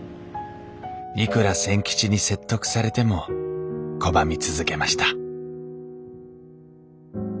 いくら千吉に説得されても拒み続けました